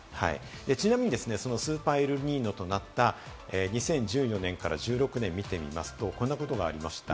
ちなみに、そのスーパーエルニーニョとなった２０１４年から２０１６年を見てみますと、こんなことがありました。